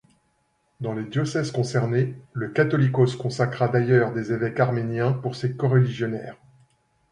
Dans les diocèses concernés, le Catholicos consacra d’ailleurs des évêques arméniens pour ses coreligionnaires.